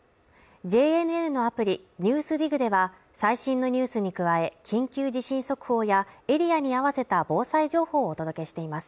ＪＮＮのアプリ「ＮＥＷＳＤＩＧ」では、最新のニュースに加え、緊急地震速報やエリアに合わせた防災情報をお届けしています。